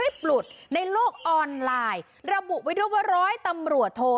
ปลุดในโลกออนไลน์ระบุไว้ด้วยว่าร้อยตำรวจโท